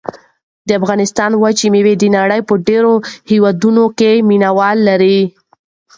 د افغانستان وچه مېوه د نړۍ په ډېرو هېوادونو کې مینه وال لري.